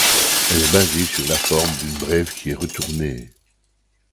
Elle est basée sur la forme d’une brève qui est retournée.